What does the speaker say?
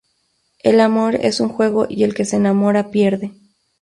El amor es un juego y el que se enamora pierde.